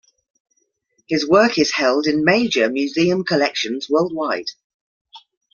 His work is held in major museum collections worldwide.